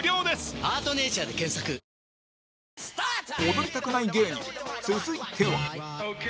踊りたくない芸人続いては